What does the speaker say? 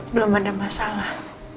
belum ada masalah